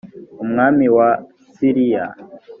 umwami wa siriya